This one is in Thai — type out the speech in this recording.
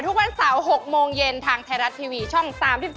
ทุกวันเสาร์๖โมงเย็นทางไทยรัฐทีวีช่อง๓๒